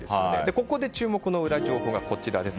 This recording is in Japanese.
ここで注目のウラ情報がこちらです。